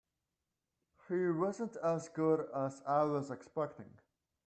He wasn't as good as I was expecting.